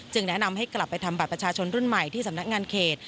แนะนำให้กลับไปทำบัตรประชาชนรุ่นใหม่ที่สำนักงานเขต